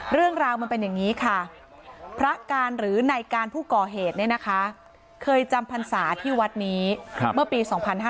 เรื่องราวมันเป็นอย่างนี้ค่ะพระกาลหรือนายกาลผู้ก่อเหตุเคยจำพันศาที่วัดนี้เมื่อปี๒๕๕๙